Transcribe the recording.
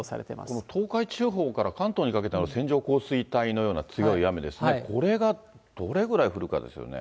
この東海地方から関東にかけての線状降水帯のような強い雨ですね、これがどれぐらい降るかですよね。